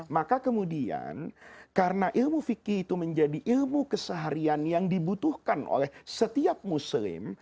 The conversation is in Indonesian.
maka kemudian karena ilmu fikih itu menjadi ilmu keseharian yang dibutuhkan oleh setiap muslim